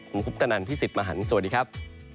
ผมคุปตนันพี่สิทธิ์มหันฯสวัสดีครับ